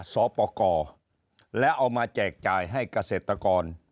สปกรแล้วเอามาแจกจ่ายให้เกษตรกร